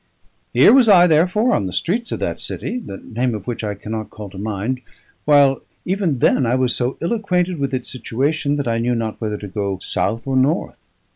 Here was I, therefore, on the streets of that city, the name of which I cannot call to mind, while even then I was so ill acquainted with its situation that I knew not whether to go south or north.